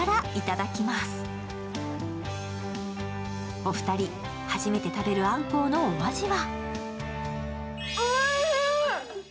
お二人、初めて食べるあんこうのお味は？